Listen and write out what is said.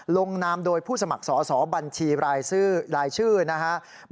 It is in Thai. ลงนามโดยผู้สมัครสอบบัญชีรายชื่อนะครับ